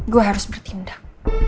gue harus bertindak